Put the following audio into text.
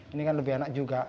ini kan lebih enak juga